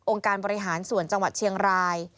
การบริหารส่วนจังหวัดเชียงราย